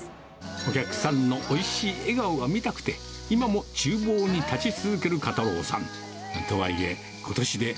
お客さんのおいしい笑顔が見たくて、今もちゅう房に立ち続ける袈太郎さん。